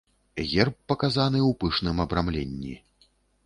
Герб паказаны ў пышным абрамленні.